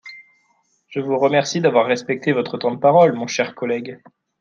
Je vous remercie d’avoir respecté votre temps de parole, mon cher collègue.